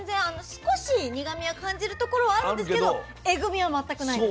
少し苦みを感じるところはあるんですけどえぐみは全くないんです。